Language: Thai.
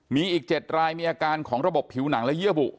มีอีก๗รายมีอาการของระบบผิวหนังและเยื่อบุ